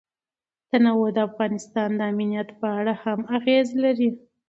تنوع د افغانستان د امنیت په اړه هم اغېز لري.